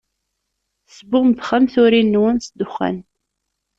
Tesbumbxem turin-nwen s ddexxan.